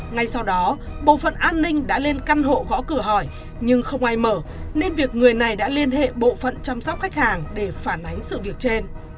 ngay sau đó bộ phận an ninh đã lên căn hộ gõ cửa hỏi nhưng không ai mở nên việc người này đã liên hệ bộ phận chăm sóc khách hàng để phản ánh sự việc trên